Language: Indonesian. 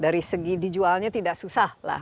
dari segi dijualnya tidak susah lah